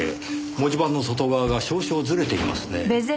文字盤の外側が少々ずれていますねぇ。